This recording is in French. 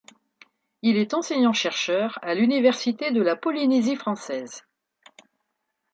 Il est enseignant chercheur à l’Université de la Polynésie française.